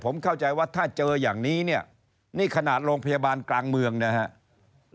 ผมเข้าใจว่าถ้าเจออย่างนี้เนี่ยนี่ขนาดโรงพยาบาลกลางเมืองนะครับ